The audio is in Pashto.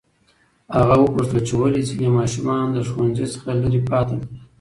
هغه وپوښتل چې ولې ځینې ماشومان له ښوونځي څخه لرې پاتې دي.